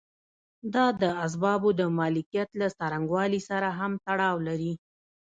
دا د اسبابو د مالکیت له څرنګوالي سره هم تړاو لري.